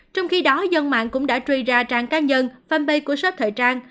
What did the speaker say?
trong khi đó dân mạng cũng đã truy ra trang cá nhân farmbay của shop thời trang